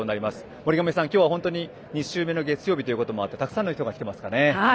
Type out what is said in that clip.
森上さん、今日は２週目の月曜日ということもあってたくさんの方が来ていますね。